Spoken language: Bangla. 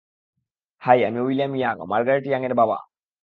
হাই, আমি উইলিয়াম ইয়াং, মার্গারেট ইয়াং-এর বাবা।